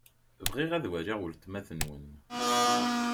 Bɣiɣ ad waliɣ weltma-twen.